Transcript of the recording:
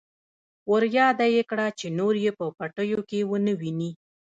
ورياده يې کړه چې نور يې په پټيو کې ونه ويني.